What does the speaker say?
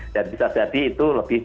dan bisa jadi itu lebih